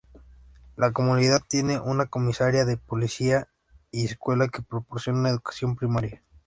La comunidad tiene una comisaría de policía, y escuelas que proporcionan educación primaria.